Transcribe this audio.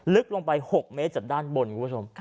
ลึกลงไป๖เมตรจากด้านบนคุณผู้ชม